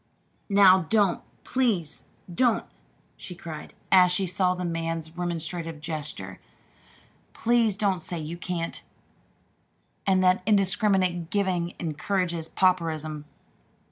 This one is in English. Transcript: "Now don't please don't!" she cried, as she saw the man's remonstrative gesture. "Please don't say you can't, and that indiscriminate giving encourages pauperism.